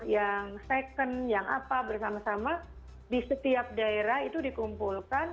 yang second yang apa bersama sama di setiap daerah itu dikumpulkan